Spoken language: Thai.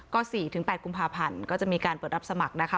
ก็๔๘กุมภาพันธ์ก็จะมีการเปิดรับสมัครนะคะ